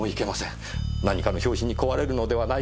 何かの拍子に壊れるのではないかと。